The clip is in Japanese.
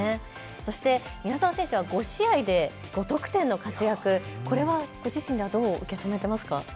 そして宮澤選手は５試合で５得点の活躍、これはご自身ではどう受け止めていますか。